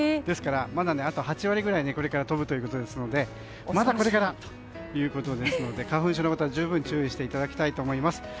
ですから、まだあと８割くらいこれから飛ぶということですのでまだこれからということで花粉症の方、十分注意していただきたいと思います。